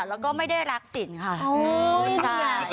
แล้วก็ไม่ได้รักสินค่ะ